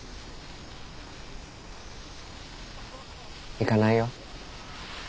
行かないよ。